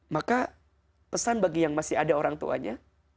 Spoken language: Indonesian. maka pesan bagi yang masih ada orang tuanya